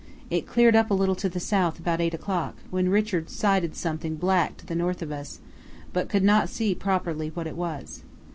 It cleared up a little to the south about 8 o'clock, when Richards sighted something black to the north of us, but could not see properly what it was.